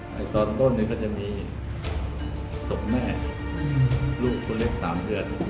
ในตอนต้นก็จะมีศพแม่ลูกคนเล็ก๓เดือน